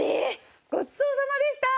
ごちそうさまでした！